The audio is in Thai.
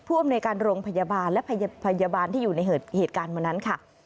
พร่วมในการโรงพยาบาลและพยาบาลที่อยู่ในเหตุการณ์เมื่อนั้นค่ะ